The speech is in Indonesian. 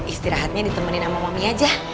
istirahatnya ditemenin sama wami aja